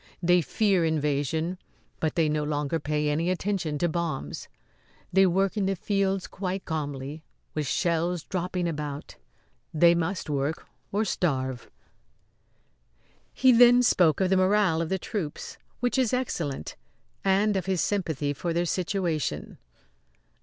They fear invasion, but they no longer pay any attention to bombs. They work in the fields quite calmly, with shells dropping about. They must work or starve." He then spoke of the morale of the troops, which is excellent, and of his sympathy for their situation.